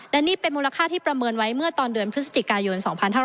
และนี่เป็นมูลค่าที่ประเมินไว้เมื่อตอนเดือนพฤศจิกายน๒๕๖๐